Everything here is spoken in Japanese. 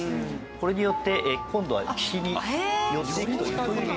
これによって今度は岸に寄っていくという。